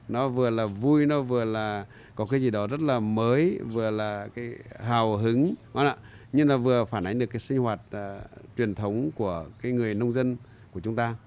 nó vừa là vui nó vừa là có cái gì đó rất là mới vừa là cái hào hứng ạ nhưng nó vừa phản ánh được cái sinh hoạt truyền thống của cái người nông dân của chúng ta